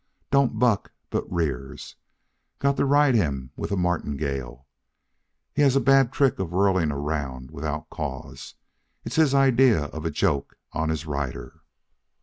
Don't buck, but rears. Got to ride him with a martingale. Has a bad trick of whirling around without cause It's his idea of a joke on his rider.